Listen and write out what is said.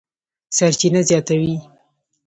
سرچینه زیاتوي،